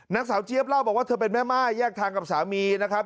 เจี๊ยบเล่าบอกว่าเธอเป็นแม่ม่ายแยกทางกับสามีนะครับ